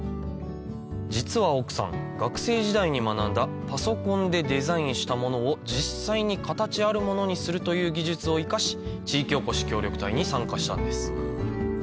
実は奥さん学生時代に学んだパソコンでデザインしたものを実際に形あるものにするという技術を生かし地域おこし協力隊に参加したんです